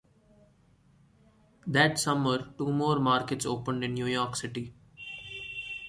That summer, two more markets opened in New York City.